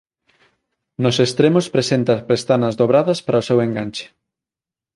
Nos extremos presenta pestanas dobradas para o seu enganche.